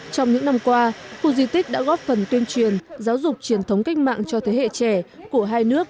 trong những năm qua khu di tích đã góp phần tuyên truyền giáo dục truyền thống cách mạng cho thế hệ trẻ của hai nước